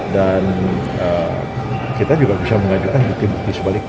dan kita juga bisa mengajarkan bukti bukti sebaliknya